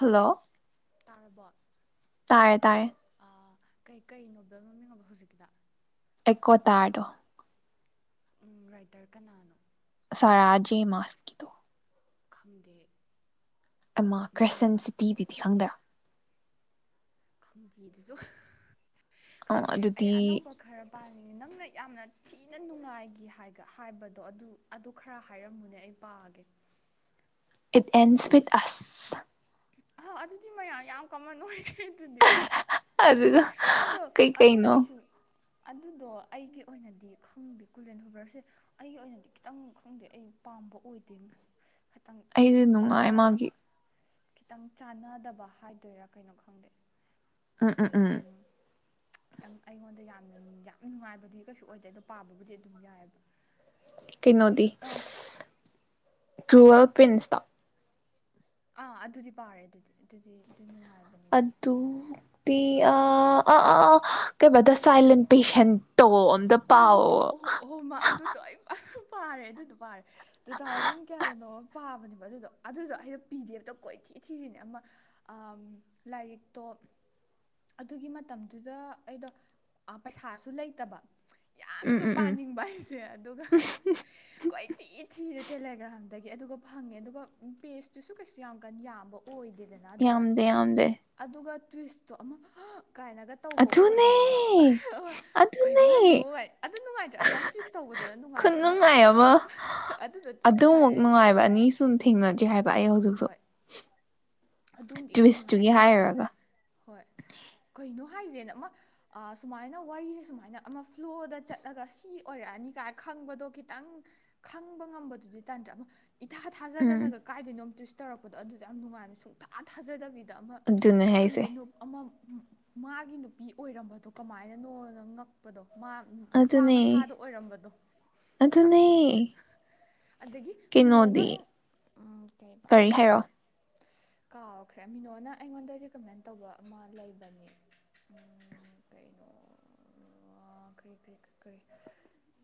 Hello. ꯇꯥꯔꯕꯣ꯫ ꯇꯥꯔꯦ ꯇꯥꯔꯦ꯫ ꯀꯩ ꯅꯣꯕꯦꯜ ꯃꯃꯤꯡꯑꯕ ꯍꯧꯖꯤꯛꯀꯤꯗꯣ꯫ ꯑꯦꯀꯣꯇꯥꯔꯗꯣ꯫ ꯎ ꯔꯥꯏꯇ꯭ꯔ ꯀꯅꯥꯅꯣ꯫ ꯑꯔꯥꯖꯦ ꯃꯥꯁ ꯀꯤꯗꯣ꯫ ꯈꯪꯗꯦ꯫ ꯑꯦꯃꯥꯀ꯭ꯔꯁ ꯅꯨꯡꯉꯥꯏꯕ꯭ꯔꯥ ꯁꯤꯟꯁꯤꯇꯤꯗꯨꯗꯤ ꯈꯪꯗ꯭ꯔꯥ꯫ ꯈꯪꯗꯦꯗꯨꯁꯨ꯫ ꯑꯥ ꯈꯪꯗꯦ ꯑꯩ ꯑꯗꯨꯗꯤ ꯑꯅꯧꯕ ꯈꯔ ꯄ ꯅꯪꯅ ꯌꯥꯝꯅ ꯊꯤꯅ ꯅꯨꯡꯉꯥꯏꯈꯤ ꯍꯥꯏꯕꯗꯣ ꯑꯗꯨ ꯑꯗꯨ ꯈꯔ ꯍꯥꯏꯔꯝꯃꯨꯅꯦ ꯑꯩ ꯄꯥꯒꯦ ꯏꯠ ꯑꯦꯟꯁꯕꯤꯠ ꯑꯁ ꯑ ꯑꯗꯨꯗꯤ ꯃꯌꯥꯝ ꯌꯥꯝ ꯀꯃꯟ ꯑꯣꯏꯔꯦ ꯑꯗꯨꯗꯤ ꯑꯗꯨꯒ ꯑꯗꯣ ꯀꯩ ꯑꯗꯨ ꯀꯩꯅꯣ ꯀꯩꯁꯨ ꯑꯗꯨꯗꯣ ꯑꯩꯒꯤ ꯑꯣꯏꯅꯗꯤ ꯈꯪꯗꯦ ꯀꯨꯂꯦꯟ ꯍꯣꯕꯔꯁꯦ ꯑꯩꯒꯤ ꯑꯣꯏꯅꯗꯤ ꯈꯤꯇꯪ ꯈꯪꯗꯦ ꯑꯩ ꯄꯥꯝꯕ ꯑꯣꯏꯗꯣꯏꯉꯣ ꯈꯤꯇꯪ ꯑꯩꯗꯤ ꯅꯨꯡꯉꯥꯏ ꯆꯥꯅ ꯃꯥꯒꯤ [inaudible] ꯈꯤꯇꯪ ꯆꯥꯟꯅꯗꯕ ꯍꯥꯏꯗꯣꯏꯔꯥ ꯀꯩꯅꯣ ꯈꯪꯗꯦ ꯎꯝ ꯎꯝ ꯎꯝ ꯈꯤꯇꯪ ꯑꯩꯉꯣꯟꯗ ꯌꯥꯝ ꯅꯨꯡꯉꯥꯏꯕꯗꯤ ꯀꯩꯁꯨ ꯑꯣꯏꯗꯦ ꯑꯗꯣ ꯄꯥꯕꯕꯨꯗꯤ ꯑꯗꯨꯝ ꯌꯥꯏꯑꯦꯕ ꯀꯩꯅꯣꯗꯤ ꯀ꯭ꯔꯨꯋꯦꯜ ꯄ꯭ꯤꯟꯁꯇ ꯑꯥ ꯑꯗꯨꯗꯤ ꯄꯥꯔꯦ ꯑꯗꯨꯗꯤ ꯑꯗꯨꯗꯤ ꯅꯨꯡꯉꯥꯏꯕꯅꯤ ꯑꯗꯨꯗꯤ ꯑꯗꯨ ꯇ ꯑ ꯑ ꯑ ꯑ ꯀꯩꯕꯗꯥꯥ ꯁꯇꯥꯏꯂꯤꯟ ꯄꯦꯁꯦꯟ ꯇꯧ ꯑꯣ ꯑꯝꯇꯥ ꯑꯣ ꯄꯥꯎ ꯑꯗꯨ ꯄꯥꯔꯦ ꯑꯗꯨ ꯄꯥꯔꯦ ꯇꯨ ꯊꯥꯎꯖꯟ ꯀꯌꯥꯗꯅꯣ ꯄꯥꯕꯅꯦꯕ ꯑꯗꯨꯗꯣ ꯑꯗꯨꯗꯣ ꯑꯩꯗꯣ ꯄꯤꯗꯦꯕꯇ ꯀꯣꯏꯊꯤ ꯊꯤꯔꯤꯅꯦ ꯑꯃ ꯂꯥꯏꯔꯤꯛꯇꯣ ꯑꯗꯨꯒꯤ ꯃꯇꯝꯗꯨꯗ ꯑꯩꯗꯣ ꯄꯩꯁꯥꯁꯨ ꯂꯩꯇꯕ ꯎꯝ ꯌꯥꯝꯁꯨ ꯎꯝ ꯎꯝ ꯄꯥꯅꯤꯡꯕ ꯑꯩꯁꯦ ꯑꯗꯨꯒ ꯀꯣꯏꯊꯤ ꯊꯤꯔꯦ ꯇꯦꯂꯦꯒ꯭ꯔꯥꯝꯗ ꯗꯒꯤ ꯑꯗꯨꯒ ꯐꯪꯉꯦ ꯑꯗꯨꯒ ꯄꯦꯁꯇꯨꯁꯨ ꯀꯩꯁꯨ ꯌꯥꯝ ꯀꯟ ꯌꯥꯝꯕ ꯑꯣꯏꯗꯦꯗꯅ ꯑꯗꯨꯗꯣ ꯌꯥꯝꯗꯦ ꯌꯥꯝꯗꯦ ꯑꯗꯨꯒ ꯇ꯭ꯋꯁꯇꯣ ꯑꯃ ꯀꯥꯏꯅꯒ ꯇꯧꯕ ꯑꯗꯨꯅꯦ ꯑꯣꯏꯕꯅꯦꯕ ꯑꯗꯨꯅꯦ ꯅꯨꯡꯉꯥꯏꯁꯤꯕꯒꯥꯏ ꯑꯗꯨ ꯅꯨꯡꯉꯥꯏꯇ꯭ꯔꯥ ꯑꯗꯨꯃꯥꯏꯅ ꯇꯨꯋꯤꯁ ꯇꯧꯕꯗꯨꯗ ꯅꯨꯡꯉꯥꯏꯕ ꯑꯃ ꯑꯗꯨꯗꯗꯤ ꯅꯨꯡꯉꯥꯏꯔ ꯑꯗꯨꯃꯨꯛ ꯍꯥꯏꯁꯦ ꯅꯨꯡꯉꯥꯏꯕ ꯑꯅꯤꯁꯨ ꯊꯦꯡꯅꯗ꯭ꯔꯤ [inaudible] ꯑꯗꯣꯝꯗꯤ ꯌꯥꯝ ꯅꯨꯡꯉꯥꯏ ꯇ꯭ꯋꯤꯁꯇꯨꯒꯤ ꯑꯩꯁꯨ ꯍꯥꯏꯔꯨꯔꯒ ꯌꯥꯅꯤꯡꯉꯦ ꯍꯣꯏ ꯀꯩꯅꯣ ꯍꯥꯏꯁꯦꯅ ꯑꯃ ꯁꯨꯃꯥꯏꯅ ꯋꯥꯔꯤꯁꯦ ꯁꯨꯃꯥꯏꯅ ꯑꯃ ꯐ꯭ꯂꯣꯗ ꯆꯠꯂꯒ ꯁꯤ ꯑꯣꯏꯔꯛꯑꯅꯤ ꯀꯥꯏꯅ ꯈꯪꯕꯗꯣ ꯈꯤꯇꯪ ꯈꯪꯕ ꯉꯝꯕꯗꯨꯗꯤ ꯇꯟꯗ꯭ꯔꯥ ꯑꯃ ꯏꯊꯥ ꯎꯝ ꯊꯥꯖꯗꯅꯒ ꯀꯥꯏꯗꯅꯣꯝ ꯇꯧꯔꯛꯄꯗꯣ ꯑꯗꯨꯗ ꯌꯥꯝ ꯉꯥꯏꯅ ꯁꯨꯝ ꯁꯨꯛꯊꯥ ꯊꯖꯔꯗꯕꯤ ꯗ ꯑꯃ ꯑꯗꯨꯅꯦ ꯍꯥꯏꯁꯦ ꯈꯪꯗꯦ ꯑꯃ ꯃꯥꯒꯤ ꯅꯨꯄꯤ ꯑꯣꯏꯔꯝꯕꯗꯣ ꯀꯃꯥꯏꯅꯅꯣꯅ ꯉꯛꯄꯗꯣ ꯃꯥ ꯅꯨꯄꯥ ꯑꯗꯨꯅꯦ ꯃꯁꯥꯗ ꯑꯣꯏꯔꯝꯕꯗꯣ ꯑꯗꯨꯅꯦ ꯑꯗꯒꯤ ꯃꯤꯅꯣꯅ ꯀꯩꯅꯣꯗꯤ ꯑꯩ ꯎꯝ ꯀꯩꯕ ꯍꯥꯏꯔꯛꯑꯣ ꯍꯥꯏꯔꯛꯑꯣ ꯀꯥꯎꯈ꯭ꯔꯦ ꯃꯤꯅꯣꯅ ꯑꯩꯉꯣꯟꯗ ꯔꯤꯀꯃꯦꯟ ꯇꯧꯕ ꯑꯃ ꯂꯩꯕꯅꯤ ꯀꯩꯅꯣ ꯀꯔꯤ ꯀꯔꯤ ꯀꯔꯤ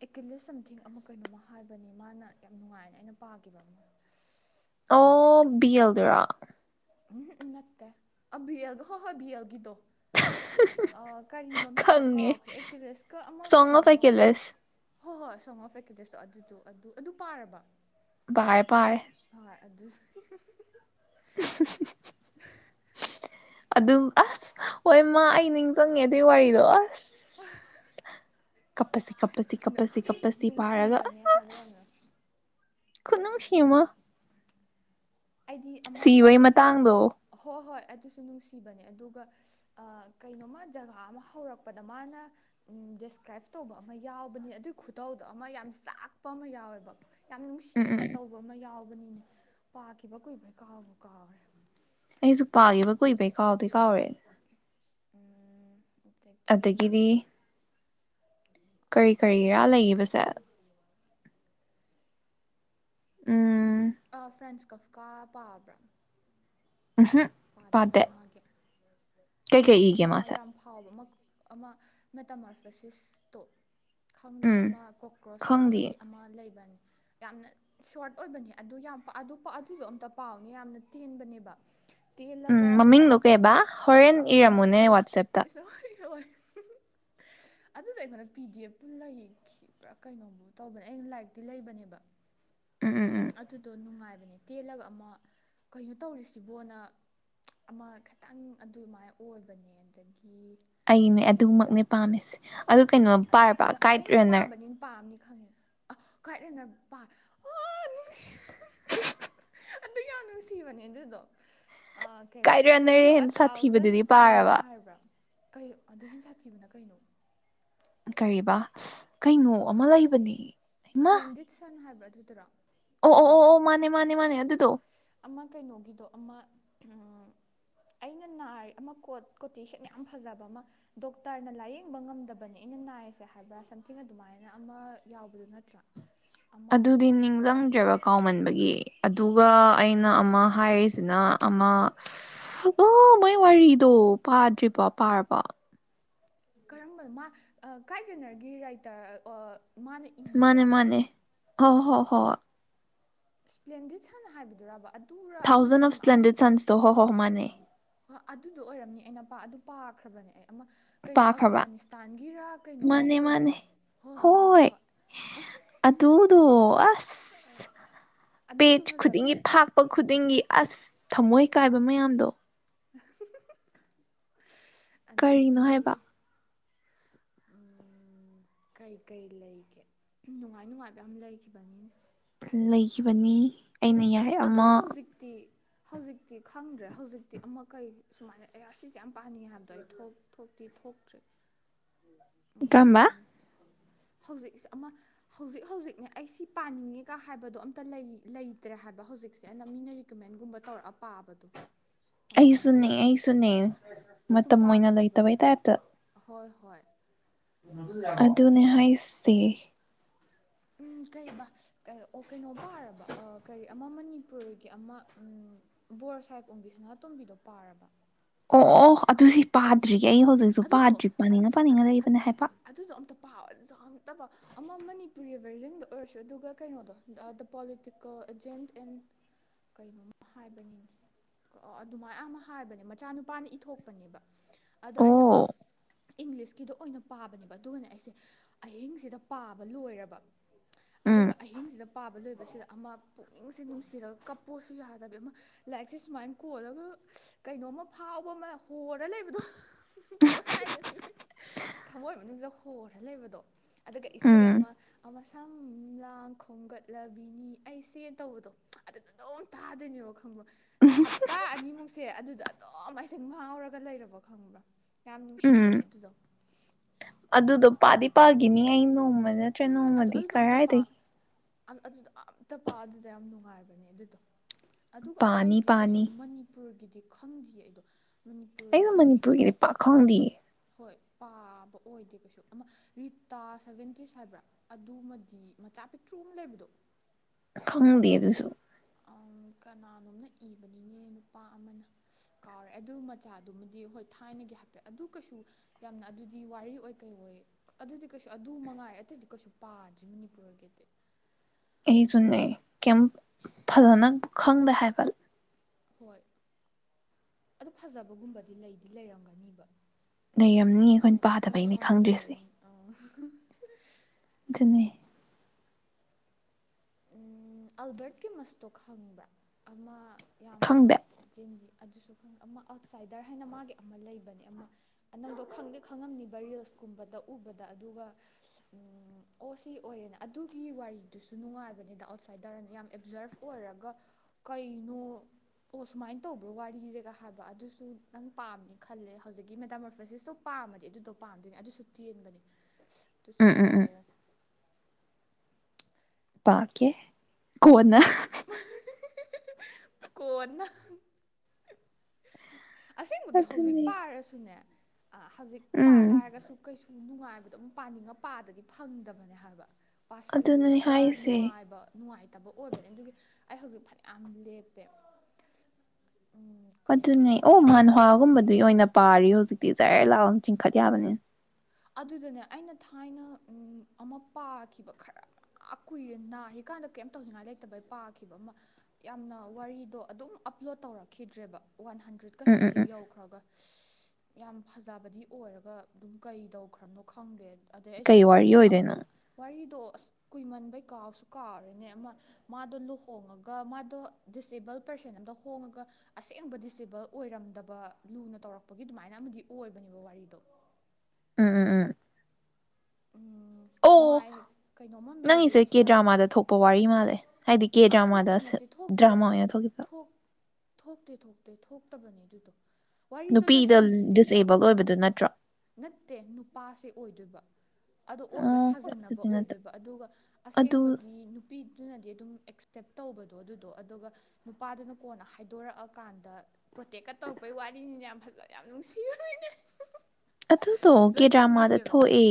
ꯑꯦꯀꯤꯂꯤꯁ ꯁꯝꯊꯤꯡ ꯑꯃ ꯀꯩꯅꯣꯝꯃ ꯍꯥꯏꯕꯅꯤ ꯃꯥꯅ ꯌꯥꯝ ꯅꯨꯡꯉꯥꯏꯅ ꯑꯩꯅ ꯄꯥꯈꯤꯕ ꯑꯃ ꯑꯣ ꯕꯤꯑꯜꯗꯨꯔꯥ ꯎꯝ ꯎꯝ ꯅꯠꯇꯦ [unintelligible] ꯍꯣ ꯍꯣꯏ ꯕꯤꯑꯜꯒꯤꯗꯣ ꯀꯔꯤ ꯃꯃꯤꯡꯗꯣ ꯈꯪꯉꯦ ꯀꯥꯎꯈ꯭ꯔꯦ ꯑꯦꯀꯤꯂꯤꯁꯀ ꯑꯃ ꯁꯣꯡ ꯑꯣꯐ ꯀꯩꯅꯣꯃ ꯑꯦꯀꯤꯂꯦꯁ ꯍꯣꯏ ꯍꯣꯏ ꯁꯣꯡ ꯑꯣꯐ ꯑꯀꯤꯂꯤꯁ ꯑꯗꯨꯗꯣ ꯑꯗꯨ ꯑꯗꯨ ꯄꯥꯔꯕꯣ ꯄꯥꯔꯦ ꯄꯥꯔꯦ ꯑꯗꯨꯁꯨ ꯑꯗꯨ ꯑꯁ ꯍꯣꯏ ꯏꯃꯥ ꯑꯩ ꯅꯤꯡꯁꯤꯡꯉꯦ ꯑꯗꯨꯏ ꯋꯥꯔꯤꯗꯣ ꯑꯁ [unintelligible] ꯀꯞꯄꯁꯤ ꯀꯞꯄꯁꯤ ꯀꯞꯄꯁꯤ ꯀꯞꯄꯁꯤ ꯄꯥꯔꯒ ꯅꯨꯡꯁꯤꯕꯅꯦ ꯑꯁ ꯍꯥꯏꯕ ꯌꯥꯝꯅ ꯈꯨꯅꯨꯡꯁꯤꯃ ꯑꯩꯗꯤ ꯑꯃ ꯋꯥꯔꯤꯁꯦ ꯃꯇꯥꯡꯗꯣ ꯍꯣꯏ ꯍꯣꯏ ꯑꯗꯨꯁꯨ ꯅꯨꯡꯁꯤꯕꯅꯦ ꯑꯗꯨꯒ ꯀꯩꯅꯣꯃ ꯖꯒꯥ ꯑꯃ ꯍꯧꯔꯛꯄꯗ ꯃꯥꯅ ꯗꯦꯁꯀ꯭ꯔꯥꯏꯞ ꯇꯧꯕ ꯑꯃ ꯌꯥꯎꯕꯅꯤ ꯑꯗꯨꯒꯤ ꯈꯨꯗꯧꯗꯣ ꯑꯃ ꯌꯥꯝ ꯆꯥꯛꯄ ꯑꯃ ꯌꯥꯎꯋꯦꯕ ꯌꯥꯝ ꯎꯝ ꯅꯨꯡꯁꯤꯅ ꯎꯝ ꯇꯧꯕ ꯑꯃ ꯌꯥꯎꯕꯅꯤꯅꯦ ꯄꯥꯠ ꯈꯤꯕ ꯀꯨꯏꯕꯩ ꯀꯥꯎꯕꯨ ꯀꯥꯎꯒꯔꯦ ꯑꯩꯁꯨ ꯄꯥꯈꯤꯕ ꯀꯨꯏꯕꯩ ꯀꯥꯎꯗꯤ ꯀꯥꯎꯔꯦ ꯎꯝ ꯑꯗꯒꯤ ꯑꯗꯒꯤꯗꯤ ꯀꯔꯤ ꯀꯔꯤꯔꯥ ꯂꯩꯕꯁꯦ ꯎꯝ ꯑꯥ ꯐ꯭ꯔꯦꯟꯁꯀꯣꯐ ꯀꯥ ꯄꯥꯕ꯭ꯔꯥ ꯎꯝꯍꯨꯝ ꯄꯥꯗꯕ꯭ꯔꯥ ꯄꯥꯗꯦ ꯃꯥꯒꯤ ꯀꯩꯀꯩ ꯏꯒꯦ ꯑꯃ ꯃꯥꯁꯦ ꯌꯥꯝ ꯐꯥꯎꯕ ꯑꯃ ꯑꯃ ꯃꯦꯇꯥꯃꯥꯔꯐꯦꯁꯤꯁꯇꯣ ꯈꯪꯗꯕ꯭ꯔꯥ ꯎꯝ ꯑꯃ ꯀꯣꯀ꯭ꯔꯣꯁ ꯈꯪꯗꯦ ꯑꯣꯟꯕꯒꯤ ꯑꯃ ꯂꯩꯕꯅꯦ ꯌꯥꯝꯅ ꯁꯣꯔꯠ ꯑꯣꯏꯕꯅꯦ ꯑꯗꯨ ꯌꯥꯝ ꯑꯗꯨꯗꯣ ꯑꯝꯇ ꯄꯥꯎꯅꯦ ꯌꯥꯝꯅ ꯇꯦꯟꯕꯅꯦꯕ ꯇꯦꯜꯂꯒ ꯎꯝ ꯃꯃꯤꯡꯗꯣ ꯑꯗꯨꯗꯣ ꯑꯃꯨꯛ ꯀꯩꯕꯥ ꯍꯣꯔꯦꯟ ꯏꯔꯝꯃꯨꯅꯦ ꯃꯦꯇꯥꯃꯔꯐꯦꯁꯤꯁ ꯋꯥꯆꯦꯞꯇ [unintelligible] ꯑꯗꯨꯗ ꯑꯩꯉꯣꯟꯗ ꯄꯤ ꯗꯤ ꯑꯦꯐꯄꯨ ꯂꯩꯈꯤꯕꯔ꯭ ꯀꯩꯅꯣꯝ ꯇꯧꯕꯅꯦ ꯑꯩ ꯂꯥꯏꯔꯤꯛꯇꯤ ꯂꯩꯕꯅꯦꯕ ꯎꯝ ꯎꯝ ꯎꯝ ꯑꯗꯨꯗꯣ ꯅꯨꯡꯉꯥꯏꯕ ꯅꯦ ꯇꯦꯜꯂꯒ ꯑꯃ ꯀꯩꯅꯣ ꯇꯧꯔꯤꯁꯤꯕꯣꯅ ꯑꯃ ꯈꯤꯇꯪ ꯑꯗꯨꯃꯥꯏꯅ ꯑꯣꯏꯕꯅꯦ ꯑꯗꯒꯤ ꯑꯩꯅꯦ ꯑꯗꯨꯃꯛꯅꯦ ꯄꯥꯝꯃꯤꯁꯦ ꯑꯗꯨ ꯀꯩꯅꯣꯝ ꯄꯥꯔꯕ ꯀꯥꯏꯠ ꯑꯩ ꯌꯥꯝ ꯔꯟꯅꯔ ꯄꯥꯝꯕꯅꯤꯅ ꯄꯥꯝꯅꯤ ꯈꯪꯉꯦꯅ ꯑ ꯈꯥꯏꯠꯂꯦꯅ ꯄꯥꯥꯏ ꯍ [unintelligible] ꯑꯗꯨ ꯌꯥꯝꯅꯣꯏ ꯁꯤꯕꯅꯦ ꯑꯗꯨꯗꯣ ꯀꯩꯕ ꯒꯥꯏꯠ ꯐꯣꯔ ꯌꯨ ꯔꯟꯅꯔ ꯑ ꯍꯦꯟꯅ ꯊꯥꯎꯖꯟ ꯁꯥꯊꯤꯕꯗꯨꯗꯤ ꯇꯥꯏꯝꯁ ꯄꯥꯔꯕ ꯍꯥꯏꯕ꯭ꯔꯥ ꯀꯩ ꯑꯗꯨ ꯍꯦꯟ ꯁꯥ ꯊꯤꯕꯅ ꯀꯩꯅꯣ ꯀꯔꯤꯕ ꯀꯩꯅꯣ ꯑꯃ ꯂꯩꯕꯅꯤ ꯁꯄ꯭ꯂꯦꯟꯗꯤꯠ ꯁꯟ ꯍꯥꯏꯕ꯭ꯔꯥ ꯑꯗꯨꯗꯔ ꯑꯣ ꯑꯣ ꯑꯣ ꯑꯣ ꯃꯥꯅꯦ ꯃꯥꯅꯦ ꯃꯥꯅꯦ ꯑꯗꯨ ꯑꯃ ꯀꯩꯅꯣꯒꯤꯗꯣ ꯑꯃ ꯑꯩꯅ ꯅꯥ ꯑꯃ ꯀꯣꯠ ꯀꯣꯇꯦꯁꯟ ꯌꯥꯝ ꯐꯖꯕ ꯑꯃ ꯗꯣꯛꯇꯔꯅ ꯂꯥꯏꯌꯦꯡꯕ ꯉꯝꯗꯕꯅꯤ ꯑꯩꯅ ꯅꯥꯏꯌꯦꯁꯦ ꯍꯥꯏꯕ꯭ꯔꯥ ꯁꯝꯊꯤꯡ ꯑꯗꯨꯃꯥꯏꯅ ꯑꯃ ꯌꯥꯎꯕꯗꯨ ꯅꯠꯇ꯭ꯔꯥ ꯑꯃ ꯑꯗꯨꯗꯤ ꯅꯤꯡꯖꯪꯗ꯭ꯔꯦꯕ ꯀꯥꯎꯃꯟꯕꯒꯤ ꯑꯗꯨꯒ ꯑꯩꯅ ꯑꯃ ꯍꯥꯏꯔꯤꯁ ꯑꯗꯨꯅ ꯑꯃꯣ ꯃꯣꯏ ꯋꯥꯔꯤꯗꯣ ꯄꯥꯗ꯭ꯔꯤꯕ ꯄꯥꯔꯕ ꯀꯔꯝꯕ ꯃꯥ ꯀꯥꯏꯕꯔꯤꯅꯔꯒꯤ ꯔꯥꯏꯇꯔ ꯃꯥꯅ ꯏꯕ꯭ꯔꯕ ꯍꫭ ꯍꯣ ꯍꯣꯏ ꯏꯁꯄ꯭ꯂꯦꯟꯗꯤ ꯁꯥꯟꯅ ꯍꯥꯏꯕꯤꯗꯨꯔꯕ ꯊꯥꯎꯖꯟ ꯑꯣꯐ ꯁꯄ꯭ꯂꯦꯟꯗꯦꯠ ꯁꯟꯁꯇꯣ ꯍꯣ ꯍꯣ ꯍꯣ ꯃꯥꯅꯦ ꯍꯣꯏ ꯑꯗꯨꯗꯣ ꯑꯣꯏꯔꯝꯅꯤ ꯑꯩꯅ ꯑꯗꯨ ꯄꯥꯈ꯭ꯔꯕꯅꯦ ꯑꯦ ꯑꯃ ꯀꯩꯅꯣ ꯄꯥꯈ꯭ꯔꯕ ꯑꯐꯒꯥꯅꯤꯁꯇꯥꯟꯒꯤꯔꯥ ꯀꯩꯅꯣꯃ ꯃꯥꯅꯦ ꯃꯥꯅꯦ ꯑꯣꯏꯕꯗꯣ ꯍꯣꯏ ꯍꯣꯏ ꯍꯣꯏ ꯍꯣꯏ ꯍꯣꯏ ꯑꯗꯨꯗꯣ ꯑꯁ ꯑꯗꯨꯁꯨ ꯄꯦꯖ ꯐꯖꯕꯅꯦ ꯈꯨꯗꯤꯡꯒꯤ ꯐꯥꯛꯄ ꯈꯨꯗꯤꯡꯒꯤ ꯑꯁ ꯊꯝꯃꯣꯏ ꯀꯥꯏꯕ ꯃꯌꯥꯝꯗꯣ ꯀꯔꯤꯅꯣ ꯑꯗꯒꯤ ꯍꯥꯏꯕ ꯀꯩ ꯀꯩ ꯂꯩꯒꯦ ꯅꯨꯡꯉꯥꯏ ꯅꯨꯡꯉꯥꯏꯕ ꯑꯃ ꯂꯩꯈꯤꯕꯅꯤꯅꯦ ꯂꯩꯈꯤꯕꯅꯤ ꯑꯩꯅ ꯌꯥꯏ ꯑꯗꯣ ꯑꯃ ꯍꯧꯖꯤꯛꯇꯤ ꯍꯧꯖꯤꯛꯇꯤ ꯈꯪꯗ꯭ꯔꯦ ꯍꯧꯖꯤꯛꯇꯤ ꯑꯃ ꯀꯩ ꯁꯨꯃꯥꯏꯅ ꯑꯦ ꯑꯥ ꯁꯤꯁꯦ ꯌꯥꯝ ꯄꯥꯅꯤ ꯍꯥꯗꯋꯥꯏ ꯊꯣꯛ ꯊꯨꯞ ꯇꯤ ꯊꯣꯛꯇ꯭ꯔꯦ ꯏ ꯀꯝꯕ [unintelligible] ꯍꯧꯖꯤꯛꯁꯦ ꯑꯃ ꯍꯧꯖꯤꯛ ꯍꯧꯖꯤꯛꯅꯦ ꯑꯩ ꯁꯤ ꯄꯥꯅꯤꯡꯉꯦꯒ ꯍꯥꯏꯕꯗꯣ ꯑꯝꯇ ꯂꯩꯇ꯭ꯔꯦ ꯍꯥꯏꯕ ꯍꯧꯖꯤꯛꯁꯦ ꯑꯩꯅ ꯃꯤꯅ ꯔꯤꯀꯃꯦꯟꯒꯨꯝꯕ ꯇꯧꯔꯛꯑ ꯄꯥꯕꯗꯣ ꯑꯗꯨꯃꯥꯏꯅ ꯑꯩꯁꯨꯅꯦ ꯑꯣꯏꯗꯣꯏꯅꯦ ꯑꯩꯁꯨꯅꯦ ꯁꯨꯝ ꯃꯇꯝ ꯑꯣꯏꯅ ꯄꯥꯈꯤꯗꯕꯒꯤ ꯂꯩꯇꯕꯩ ꯇꯥꯏꯦꯞꯇ ꯍꯣꯏ ꯍꯣꯏ ꯑꯗꯨꯅꯦ ꯍꯥꯏꯁꯦ ꯎꯝ ꯀꯩꯕ ꯑꯣ ꯀꯩꯅꯣ ꯄꯥꯔꯕ ꯀꯔꯤ ꯑꯃ ꯃꯅꯤꯄꯨꯔꯒꯤ ꯑꯃ ꯎꯝ ꯕꯣꯔ ꯁꯥꯍꯦꯕ ꯑꯣꯡꯕꯤꯁꯅꯥꯇꯣꯝꯕꯤꯗꯣ ꯄꯥꯔꯕ ꯑꯣ ꯑꯣ ꯑꯗꯨ ꯁꯤ ꯄꯥꯗ꯭ꯔꯤ ꯑꯩ ꯍꯧꯖꯤꯛꯁꯨ ꯑꯗꯨꯗꯣ ꯄꯥꯗ꯭ꯔꯤ ꯄꯥꯅꯤꯡꯉ ꯄꯥꯅꯤꯡꯉ ꯂꯩꯕꯅꯦ ꯍꯥꯏꯕ ꯄꯥꯕ [unintelligible] ꯑꯃ ꯃꯅꯤꯄꯨꯔꯤ ꯚꯔꯖꯟꯗ ꯑꯣꯏꯔꯁꯨ ꯑꯗꯨꯒ ꯀꯩꯅꯣꯗꯣ ꯗ ꯄꯣꯂꯤꯇꯤꯀꯦꯜ ꯑꯦꯖꯦꯟꯠ ꯑꯦꯟ ꯀꯩꯅꯣꯃ ꯍꯥꯏꯕꯅꯤꯅꯦ ꯑꯗꯨꯃꯥꯏ ꯑꯃ ꯍꯥꯏꯕꯅꯦ ꯃꯆꯥꯅꯨꯄꯥꯅ ꯏꯊꯣꯛꯄꯅꯦꯕ ꯑꯗꯣ ꯑꯩ ꯑꯣ ꯏꯪꯂꯤꯁꯀꯤꯗ ꯑꯣꯏꯅ ꯄꯥꯕꯅꯦꯕ ꯑꯗꯨꯒꯅꯦ ꯑꯩꯁꯦ ꯑꯍꯤꯡꯁꯤꯗ ꯄꯥꯕ ꯂꯣꯏꯔꯕ ꯑꯗꯨꯒ ꯎꯝ ꯑꯍꯤꯡꯁꯤꯗ ꯄꯥꯕ ꯂꯣꯏꯕꯁꯤꯗ ꯑꯃ ꯄꯨꯛꯅꯤꯡꯁꯦ ꯅꯨꯡꯁꯤꯔꯒ ꯀꯞꯄꯣꯁꯨ ꯌꯥꯗꯕꯤ ꯑꯃ ꯂꯥꯏꯔꯤꯛꯁꯦ ꯁꯨꯃꯥꯏꯅ ꯀꯣꯜꯂꯒ ꯀꯩꯅꯣꯝꯃ ꯐꯥꯎꯕ ꯑꯃ ꯍꯣꯔ ꯂꯩꯕꯗꯣ ꯊꯃꯣꯏ ꯃꯅꯨꯡꯗ ꯍꯣꯔ ꯂꯩꯕꯗꯣ ꯑꯗꯨꯒ ꯏꯁꯩ ꯎꯝ ꯑꯃ ꯑꯃ ꯁꯝ ꯂꯥꯡ ꯈꯣꯝꯒꯠꯂꯕꯤꯅꯤ ꯑꯩꯁꯦꯅ ꯇꯧꯕꯗꯣ ꯑꯗꯨꯗ ꯑꯗꯨꯝ ꯇꯥꯗꯣꯏꯅꯦꯕ ꯈꯪꯕ ꯍꯞꯇꯥ ꯑꯅꯤ ꯃꯨꯛ ꯑꯗꯨꯗ ꯑꯗꯨꯝ ꯑꯩꯁꯦ ꯉꯥꯎꯔꯒ ꯂꯩꯔꯕ ꯈꯪꯕ꯭ꯔꯥ ꯌꯥꯝ ꯅꯨꯡꯁꯤꯕꯅꯦ ꯎꯝ ꯑꯗꯨꯗꯣ ꯄꯥꯗꯤꯄꯥꯒꯤꯅꯤ ꯑꯩ ꯅꯣꯡ ꯃꯅꯠꯇ꯭ꯔ ꯑꯗꯨ ꯅꯣꯡꯃꯗꯤ ꯑꯗꯨꯗꯣ ꯑꯝꯇ ꯄꯥ ꯀꯔꯥꯏꯗꯒꯤ ꯑꯗꯨꯗꯣ ꯑꯝꯇ ꯄ ꯑꯗꯨꯗ ꯌꯥꯝ ꯅꯨꯡꯉꯥꯏꯕꯅꯦ ꯑꯗꯨꯗꯣ ꯑꯗꯨꯒ ꯄꯥꯅꯤ ꯑꯇꯩꯗꯤ ꯀꯩꯁꯨ ꯄꯥꯅꯤ ꯃꯅꯤꯄꯨꯔꯒꯤ ꯈꯪꯗ꯭ꯌꯦ ꯑꯗꯣ ꯑꯩꯅ ꯃꯅꯤꯄꯨꯔꯒꯤꯗꯤ ꯄꯥꯛꯈꯪꯗꯦꯌꯦ ꯍꯣꯏ ꯄꯥꯕ ꯑꯣꯏꯗꯦ ꯀꯩꯁꯨ ꯑꯃ ꯔꯤꯇꯥ ꯁꯚꯦꯟꯇꯤꯁ ꯍꯥꯏꯕ꯭ꯔꯥ ꯑꯗꯨꯃꯗꯤ ꯃꯆꯥ ꯄꯤꯛꯇ꯭ꯔꯨ ꯑꯃ ꯂꯩꯕꯗꯣ ꯈꯪꯗꯦ ꯑꯗꯨꯨꯁꯨ ꯀꯅꯥꯅꯣꯝꯅ ꯏꯕꯅꯤꯅꯦ ꯅꯨꯄꯥ ꯑꯃꯅ ꯀꯥꯎꯔꯦ ꯑꯗꯨ ꯃꯆꯥꯗꯨꯃꯗꯤ ꯍꯣꯏ ꯊꯥꯏꯅꯒꯤ ꯍꯥꯏꯐꯦꯠ ꯑꯗꯨ ꯀꯩꯁꯨ ꯌꯥꯝꯅ ꯑꯗꯨꯗꯤ ꯋꯥꯔꯤ ꯑꯣꯏ ꯀꯩ ꯑꯣꯏ ꯑꯗꯨꯗꯤ ꯀꯩꯁꯨ ꯑꯗꯨ ꯃꯉꯥꯏꯔꯦ ꯑꯗꯨꯗꯤ ꯀꯩꯁꯨ ꯄꯥꯗ꯭ꯔꯤ ꯃꯅꯤꯄꯨꯔꯒꯤꯗꯤ ꯑꯩꯁꯨꯅꯦ ꯀꯩꯝ ꯐꯖꯅ ꯈꯪꯗꯦ ꯍꯥꯏꯕ ꯍꯣꯏ ꯑꯗꯨ ꯐꯖꯕꯒꯨꯝꯕꯗꯤ ꯂꯩꯗꯤ ꯂꯩꯔꯝꯒꯅꯤꯕ ꯂꯩꯔꯝꯅꯤ ꯑꯩꯈꯣꯏꯅ ꯄꯥꯗꯕꯩꯅꯦ ꯈꯪꯗ꯭ꯔꯤꯁꯦ [unintelligible] ꯑꯗꯨꯅꯤ ꯑꯜꯕꯔꯠꯀꯤ ꯃꯁꯇꯣ ꯈꯪꯕ꯭ꯔꯥ ꯑꯃ ꯌꯥꯝꯅ ꯈꯪꯗꯦ [unintelligible] ꯑꯗꯨꯁꯨ ꯈꯪ ꯑꯃ ꯑꯥꯎꯠꯁꯥꯏꯗꯔ ꯍꯥꯏꯅ ꯃꯥꯒꯤ ꯑꯃ ꯂꯩꯕꯅꯦ ꯑꯃ ꯅꯪꯗꯣ ꯈꯪꯗꯤ ꯈꯪꯉꯝꯅꯤꯕ ꯔꯤꯜꯁꯀꯨꯝꯕꯗ ꯎꯕꯗ ꯑꯗꯨꯒ ꯑꯣ ꯁꯤ ꯑꯣꯏꯔꯦꯅ ꯑꯗꯨꯒꯤ ꯋꯥꯔꯤꯗꯨꯁꯨ ꯅꯨꯡꯉꯥꯏꯕ ꯑꯥꯎꯠꯁꯥꯏꯗꯔꯅ ꯌꯥꯝ ꯑꯦꯕꯖꯔꯞ ꯑꯣꯏꯔꯒ ꯀꯩꯅꯣ ꯑꯣ ꯁꯨꯃꯥꯏꯅ ꯇꯧꯕ꯭ꯔꯣ ꯋꯥꯔꯤꯁꯦꯒ ꯍꯥꯏꯕ ꯑꯗꯨꯁꯨ ꯅꯪ ꯄꯥꯝꯅꯤ ꯈꯜꯂꯦ ꯍꯧꯖꯤꯛꯀꯤ ꯃꯦꯗꯥꯃꯔꯐꯦꯁꯤꯁꯇꯣ ꯄꯥꯝꯃꯗꯤ ꯑꯗꯨꯗꯣ ꯄꯥꯝꯗꯣꯏꯅꯦ ꯑꯗꯨꯁꯨ ꯇꯦꯟꯕꯅꯦ ꯇꯁꯨ ꯎꯝ ꯎꯝ ꯎꯝ ꯄꯥꯎꯑꯣ ꯄꯥꯒꯦ ꯀꯣꯟꯅꯥ [unintelligible] ꯀꯣꯟꯅ [unintelligible] ꯑꯁꯦꯡꯕꯒꯤ ꯍꯧꯖꯤꯛ ꯑꯗꯨꯅꯦ ꯄꯥꯔꯁꯨꯅꯦ ꯍꯧꯖꯤꯛ ꯄꯥ ꯎꯝ ꯇꯥꯔꯒꯁꯨ ꯀꯩꯁꯨ ꯅꯨꯡꯉꯥꯏꯕ ꯑꯗꯨꯝ ꯄꯥꯅꯤꯡꯅ ꯄꯥꯗꯗꯤ ꯐꯪꯗꯕꯅꯦ ꯍꯥꯏꯕ ꯑꯗꯨꯅꯦ ꯄꯥꯁꯜꯂꯨꯔꯒ ꯍꯥꯏꯁꯦ ꯅꯨꯡꯉꯥꯏꯕ ꯅꯨꯡꯉꯥꯏ [unintelligible] ꯑꯩ ꯍꯧꯖꯤꯛ ꯐꯅ ꯌꯥꯝ ꯂꯦꯞꯄꯦ꯫ ꯀꯩꯅꯣ ꯑꯗꯨꯅꯦ ꯑꯣ ꯃꯥꯥꯟꯍꯥꯒꯨꯝꯕ ꯑꯗꯒꯤ ꯑꯣꯏꯅ ꯄꯥꯔꯤ ꯍꯧꯖꯤꯛꯇꯤ ꯖꯔ ꯂꯥꯎ ꯆꯤꯡꯈꯠ ꯌꯥꯕꯅꯦ꯫ ꯑꯗꯨꯗꯅꯦ ꯑꯩꯅ ꯊꯥꯏꯅ ꯎꯝ ꯑꯃ ꯄꯥꯈꯤꯕ ꯈꯔ ꯀꯨꯏꯔꯦ ꯅꯥꯔꯤꯀꯥꯟꯗ ꯀꯩꯝ ꯇꯧꯅꯤꯡꯉꯥꯏ ꯂꯩꯇꯕꯩ ꯄꯥꯈꯤꯕ ꯑꯃ ꯌꯥꯝꯅ ꯋꯥꯔꯤꯗꯣ ꯑꯗꯨꯝ ꯑꯞꯂꯣꯗ ꯇꯧꯔꯛꯈꯤꯗ꯭ꯔꯦꯕ꯫ ꯋꯥꯟ ꯍꯟꯗ꯭ꯔꯦꯗꯀ ꯎꯝ ꯎꯝ ꯁꯝꯊꯤꯡ ꯎꯝ ꯌꯧꯈ꯭ꯔꯒ ꯌꯥꯝ ꯐꯖꯕꯗꯤ ꯑꯣꯏꯔꯒ ꯑꯗꯨꯝ ꯀꯩ ꯇꯧꯈ꯭ꯔꯝꯅꯣ ꯈꯪꯗꯦ ꯫ ꯑꯗꯩ ꯑꯩꯁꯦ ꯀꯩ ꯋꯥꯔꯤ ꯑꯝ ꯑꯣꯏꯗꯣꯏꯅꯣ ꯋꯥꯔꯤꯗꯣ ꯑꯁ ꯀꯨꯏꯃꯟꯕꯩ ꯀꯥꯎꯁꯨ ꯀꯥꯎꯔꯦꯅꯦ ꯑꯃ ꯃꯥꯗꯣ ꯂꯨꯍꯣꯡꯉꯒ ꯃꯥꯗꯣ ꯗꯤꯁꯑꯦꯕꯜ ꯄꯔꯁꯟ ꯑꯝꯗ ꯍꯣꯡꯉꯒ ꯑꯁꯦꯡꯕ ꯗꯤꯁꯑꯦꯕꯜ ꯑꯣꯏꯔꯝꯗꯕ ꯂꯨꯅ ꯇꯧꯔꯛꯄꯒꯤ ꯑꯗꯨꯃꯥꯏꯅ ꯑꯃꯗꯤ ꯑꯣꯏꯕꯅꯦꯕ ꯋꯥꯔꯤꯗꯣ꯫ ꯎꯝ ꯎꯝ ꯫ ꯎꯝ ꯃꯥꯏ ꯀꯩꯅꯣꯝꯃ ꯅꯪꯒꯤꯁꯦ ꯃꯦꯔꯤꯌꯦꯠꯁ ꯍꯥꯏꯕ꯭ꯔꯥ ꯀꯦꯗ꯭ꯔꯃꯥꯗ ꯊꯣꯛꯄ ꯋꯥꯔꯤ ꯃꯥꯜꯂꯦ ꯫ ꯍꯥꯏꯗꯤ ꯀꯦ ꯑꯍ ꯗ꯭ꯔꯃꯥꯗ ꯅꯠꯇꯦ ꯁ ꯅꯠꯇꯦ ꯊꯣꯛꯇꯦ ꯗ꯭ꯔꯃꯥ ꯑꯣꯏꯅ ꯊꯣꯛꯈꯤꯕ꯫ ꯊꯣꯛ ꯊꯣꯛꯇꯦ - ꯊꯣꯛꯇꯦ ꯊꯣꯛꯇꯕꯅꯦ ꯑꯗꯨꯗꯣ꯫ ꯋꯥꯔꯤꯗꯣ ꯅꯨꯄꯤꯗ ꯂꯣꯏꯁꯟꯈꯤꯗꯦꯕ ꯗꯤꯁꯑꯦꯕꯜ ꯑꯣꯏꯕꯗꯨ ꯅꯠꯇ꯭ꯔꯣ ꯅꯠꯇꯦ ꯅꯨꯄꯥꯁꯦ ꯑꯣꯏꯗꯣꯏꯕ꯫ ꯑꯗꯣ ꯑꯣꯏꯕ ꯑꯣ ꯁꯥꯖꯟꯅꯕ ꯑꯗꯨꯗꯤ ꯅꯠꯇꯕ ꯑꯣꯏꯗꯣꯏꯕ ꯑꯗꯨꯒ ꯑꯗꯨ ꯑꯁꯦꯡꯕꯒꯤ ꯅꯨꯄꯤ ꯑꯗꯨꯅꯗꯤ ꯑꯗꯨꯝ ꯑꯦꯛꯁꯄꯦꯛ ꯇꯧꯕꯗꯣ ꯑꯗꯨꯗꯣ ꯑꯗꯨꯒ ꯅꯨꯄꯥꯗꯨꯅ ꯀꯣꯟꯅ ꯍꯥꯏꯗꯣꯔꯛꯑꯀꯥꯟꯗ ꯄ꯭ꯔꯣꯇꯦꯛꯀ ꯇꯧꯔꯛꯄꯩ ꯋꯥꯔꯤꯅꯤꯅ ꯌꯥꯝ ꯐꯖ ꯌꯥꯝ ꯅꯨꯡꯁꯤꯅꯦ꯫ ꯑꯗꯨꯗꯣ ꯀꯦꯗ꯭ꯔꯥꯃꯥꯗ ꯊꯣꯛ ꯑꯦ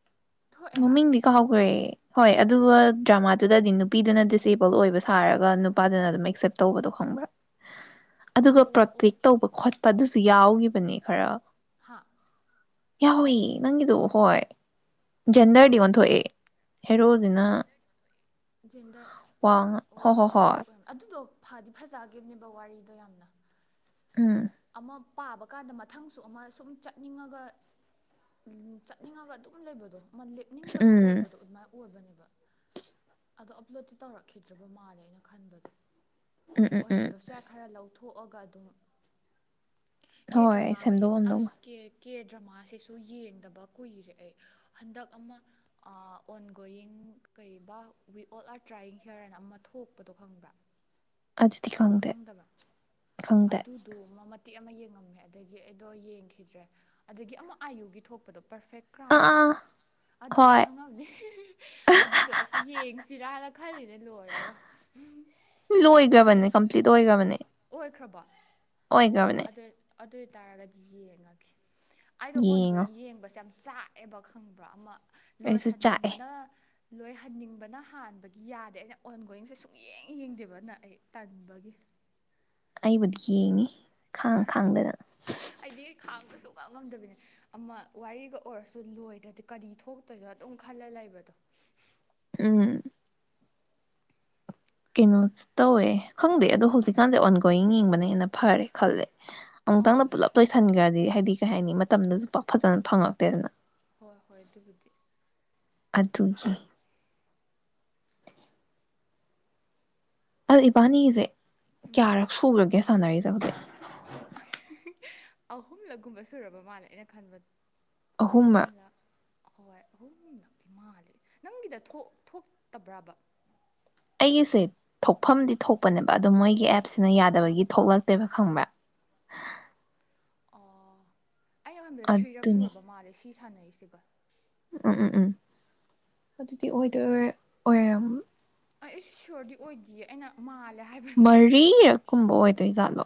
꯫ ꯊꯣꯛꯑꯦ ꯃꯃꯤꯡꯗꯤ ꯑꯣ ꯀꯥꯎꯒꯔꯦ ꯫ ꯍꯣꯏ ꯑꯗꯨꯒ ꯗ꯭ꯔꯃꯥꯗꯨꯗꯗꯤ ꯅꯨꯄꯤꯗꯨꯅ ꯗꯤꯁꯑꯦꯕꯜ ꯑꯣꯏꯕ ꯁꯥꯔꯒ ꯅꯨꯄꯥꯗꯨꯅ ꯑꯗꯨꯝ ꯑꯦꯛꯁꯦꯞ ꯇꯧꯕꯗꯣ ꯈꯪꯕ꯭ꯔꯥ? ꯑꯗꯨꯒ ꯑꯣ ꯄ꯭ꯔꯣꯇꯦꯛ ꯇꯧꯕ ꯈꯣꯠꯄ ꯑꯗꯨꯁꯨ ꯌꯥꯎꯒꯤꯕꯅꯦ ꯈꯔ꯫ ꯍꯥ? ꯌꯥꯎꯏ ꯅꯪꯒꯤꯗꯣ ꯍꯣꯏ꯫ ꯖꯟꯗꯔ ꯗꯤ ꯑꯣꯟꯊꯣꯛ ꯑ ꯫ ꯖꯦꯟꯗꯔ ꯋꯥꯡꯉ ꯑꯣ ꯍꯣ ꯍꯣ ꯑꯗꯨ ꯍꯣꯏ ꯑꯗꯨꯗꯣ! ꯐꯗꯤ ꯐꯖꯒꯤꯝꯅꯦꯕ ꯋꯥꯔꯤꯗꯣ ꯌꯥꯝꯅ꯫ ꯎꯝ ꯑꯃ ꯄꯥꯕ ꯀꯥꯟꯗ ꯃꯊꯪꯁꯨ ꯑꯃ ꯁꯨꯝ ꯆꯠꯅꯤꯡꯉꯒ ꯆꯠꯅꯤꯡꯉꯒ ꯑꯗꯨꯝ ꯂꯩꯕꯗꯣ ꯫ ꯂꯦꯞꯅꯤꯡꯗꯕ ꯎꯝ ꯑꯣꯏꯕꯗꯣ ꯑꯗꯨꯃꯥꯏ꯫ ꯑꯣꯏꯕꯅꯦꯕ ꯑꯗꯣ ꯑꯞꯂꯣꯗꯇꯤ ꯇꯧꯔꯛꯈꯤꯗ꯭ꯔꯕ ꯃꯥꯜꯂꯦ ꯑꯩꯅ ꯈꯟꯕꯗꯣ꯫ ꯎꯝ ꯎꯝ ꯎꯝ ꯑꯣꯏꯔꯝꯕꯁꯨ ꯌꯥ ꯈꯔ ꯂꯧ ꯊꯣꯛꯑꯒ ꯑꯗꯨꯝ ꯀꯦ ꯍꯣꯏ ꯗ꯭ꯔꯃꯥꯒꯌꯦ ꯁꯦꯝꯗꯣꯛꯑꯝꯗꯧ ꯑꯁ ꯀꯦ ꯀꯦ ꯗ꯭ꯔꯃꯥꯁꯤꯁꯨ ꯌꯦꯡꯗꯕ ꯀꯨꯏꯔꯦ ꯑꯩ ꯍꯟꯗꯛ ꯑꯃ ꯑꯣꯟ ꯒꯣꯋꯤꯡ ꯀꯩꯕ ꯋꯤ ꯑꯣꯜ ꯑꯥꯔ ꯇ꯭ꯔꯥꯏꯌꯤꯡ ꯍꯤꯌꯔ ꯍꯥꯏꯅ ꯑꯃ ꯊꯣꯛꯄꯗꯣ ꯈꯪꯕ꯭ꯔꯥ ꯑꯗꯨꯗꯤ ꯈꯪꯗꯦ ꯈꯪꯗꯕ꯭ꯔꯥ ꯈꯪꯗꯦ ꯇꯤ ꯑꯃ ꯌꯦꯡꯉꯝꯃꯦ ꯑꯗꯒꯤ ꯑꯩꯗꯣ ꯌꯦꯡꯈꯤꯗ꯭ꯔꯦ ꯑꯗꯒꯤ ꯑꯃꯨꯛ ꯑꯥꯏꯌꯨꯒꯤ ꯊꯣꯛꯄꯗꯣ ꯄꯔꯐꯦꯛ ꯀ꯭ꯔꯥꯎꯟ ꯑꯥ ꯑꯥ ꯍꯥꯏꯕ꯭ꯔꯥ ꯑꯗꯨꯗꯤ ꯍꯣꯏ ꯈꯪꯉꯝꯅꯤ ꯑꯗꯨꯗꯣ ꯑꯩꯁꯨ ꯌꯦꯡꯁꯤꯔꯅ ꯈꯜꯂꯤꯅꯦ ꯂꯣꯏꯔꯒ ꯂꯣꯏꯈ꯭ꯔꯕꯅꯦ ꯀꯝꯄ꯭ꯂꯤꯠ ꯑꯣꯏꯒꯔꯕꯅꯦ ꯆꯠꯈ꯭ꯔꯕꯣ ꯑꯣꯏꯒ꯭ꯔꯕꯅꯦ ꯑꯗꯨ ꯑꯣꯏꯇꯥꯔꯒꯗꯤ ꯌꯦꯡꯉꯒꯦ ꯑꯩꯗꯣ ꯌꯦꯡꯉꯣ ꯑꯣꯟꯒꯣꯋꯤꯡ ꯌꯦꯡꯕꯁꯦ ꯌꯥꯝ ꯆꯥꯛꯑꯦꯕ ꯈꯪꯕ꯭ꯔꯥ ꯑꯃ ꯑꯩꯁꯨ ꯆꯥꯛꯑꯦ ꯂꯣꯏꯍꯟꯅꯤꯡꯕꯅ ꯂꯣꯏ ꯍꯟꯅꯤꯡꯕꯅ ꯍꯥꯟꯕꯒꯤ ꯌꯥꯗꯦ ꯑꯩꯅ ꯑꯣꯟ ꯒꯣꯋꯤꯡꯁꯦ ꯁꯨꯡ ꯌꯦꯡ ꯌꯦꯡꯗꯦꯕꯅ ꯑꯩ ꯇꯟꯕꯒꯤ ꯑꯩꯕꯨꯗꯤ ꯌꯦꯉꯤ ꯈꯥꯡ ꯈꯥꯡꯗꯅ ꯁꯨꯉꯝꯉꯝꯗꯕꯤꯅꯤ ꯑꯃ ꯋꯥꯔꯤꯒ ꯑꯣꯏꯔꯁꯨ ꯂꯣꯏꯗ꯭ꯔꯗꯤ ꯀꯔꯤ ꯊꯣꯛꯇꯣꯏꯅꯣ ꯑꯗꯨꯝ ꯈꯜꯂ ꯂꯩꯕꯗꯣ ꯎꯝ ꯀꯩꯅꯣ ꯇꯧꯋꯦ ꯈꯪꯗꯦ ꯑꯗꯣ ꯍꯧꯖꯤꯛꯀꯥꯟꯗꯤ ꯑꯣꯟꯒꯣꯋꯤꯡ ꯌꯦꯡꯕꯅ ꯍꯦꯅ ꯐꯔꯦ ꯈꯜꯂꯦ ꯑꯧ ꯑꯃꯨꯛꯇꯪꯅ ꯄꯨꯂꯞ ꯂꯣꯏꯁꯟꯈ꯭ꯔꯗꯤ ꯍꯥꯏꯗꯤ ꯀꯩ ꯍꯥꯏꯅꯤ ꯃꯇꯝꯗꯁꯨ ꯄꯥꯛ ꯐꯖꯅ ꯐꯪꯉꯛꯇꯦꯗꯅ ꯍꯣꯏ ꯍꯣꯏ ꯑꯗꯨꯕꯨꯗ ꯑꯗꯨꯒꯤ [unintelligible] ꯑ ꯏꯕꯥꯅꯤꯒꯤꯁꯦ ꯎꯝ ꯀꯌꯥꯔꯛ ꯁꯨꯔꯒꯦ [unintelligible] ꯁꯥꯟꯅꯔꯤꯖꯦ ꯍꯧꯖꯤꯛ ꯑꯍꯨꯝꯂꯛꯒꯨꯝꯕ ꯁꯨꯔꯕ ꯃꯥꯜꯂꯦ ꯑꯩꯅ ꯈꯟꯕ ꯑꯍꯨꯝꯔꯛ ꯑꯍꯨꯝꯂꯛ ꯍꯣꯏ ꯑꯍꯨꯝꯂꯛꯇꯤ ꯃꯥꯜꯂꯦ ꯅꯪꯒꯤꯗ ꯊꯣꯛ ꯊꯣꯛꯇꯕ꯭ꯔꯕ ꯑꯩꯒꯤꯁꯦ ꯊꯣꯛꯐꯝꯗꯤ ꯊꯣꯛꯄꯅꯦꯕ ꯑꯗꯣ ꯃꯣꯏꯒꯤ ꯑꯦꯞ ꯁꯤꯅ ꯑꯥ ꯌꯥꯗꯕꯒꯤ ꯊꯣꯛꯂꯛꯇꯦꯕ ꯈꯪꯕ꯭꯭ꯔꯥ ꯍ ꯑꯣ ꯑꯩꯩꯅ ꯈꯟꯕꯗ ꯊ꯭ꯔꯤꯔꯛ ꯑꯗꯨꯅꯤ ꯁꯨꯔꯕ ꯃꯥꯂꯦ ꯁꯤ ꯁꯥꯟꯅ ꯑꯩꯁꯤꯒ ꯎꯝ ꯎꯝ ꯎꯝ ꯑꯗꯨꯗꯤ ꯑꯣꯏꯗꯣꯏ ꯑꯣꯏꯔꯕꯣ ꯑꯩ ꯑꯩꯁꯨ ꯁꯤꯌꯣꯔꯗꯤ ꯑꯣꯏꯗꯤꯌꯦ ꯑꯩꯅ ꯃꯥꯜ ꯃꯔꯤꯔꯛ ꯀꯨꯝꯕ ꯑꯣꯏꯗꯣꯏꯖꯥꯠꯂꯣ